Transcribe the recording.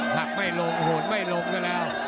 หักไม่ลงโหนไม่ลงก็แล้ว